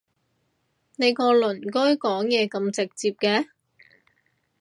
你個鄰居講嘢咁直接嘅？